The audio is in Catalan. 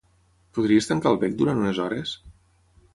Podries tancar el bec durant unes hores?